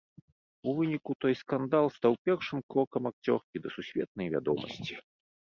У выніку той скандал стаў першым крокам акцёркі да сусветнай вядомасці.